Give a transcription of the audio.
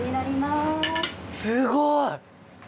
すごい！